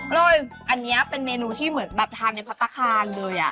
อร่อยอันนี้เป็นเมนูที่เหมือนรับทานในพัทตาคารด้วยอ่ะ